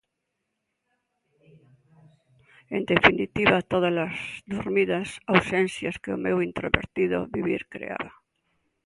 En definitiva tódalas durmidas ausencias que o meu introvertido vivir creaba.